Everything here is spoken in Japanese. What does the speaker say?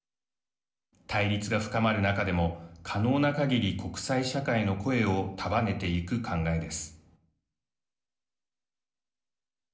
対立が深まる中でも可能なかぎり国際社会の声を束ねていく考えです。